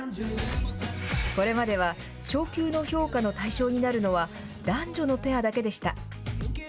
これまでは昇級の評価の対象になるのは男女のペアだけでした。